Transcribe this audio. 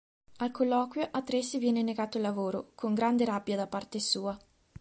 Al colloquio, a Tracy viene negato il lavoro, con grande rabbia da parte sua.